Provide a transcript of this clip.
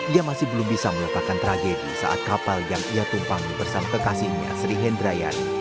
ia masih belum bisa meletakkan tragedi saat kapal yang ia tumpangi bersama kekasihnya sri hindrayani